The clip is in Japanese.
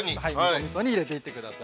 ◆おみそに入れていってください。